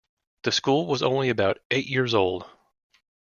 The school was only about eight years old.